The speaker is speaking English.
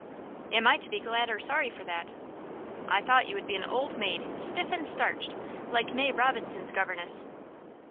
"Am I to be glad or sorry for that?" "I thought you would be an old maid, stiff and starched, like May Robinson's governess."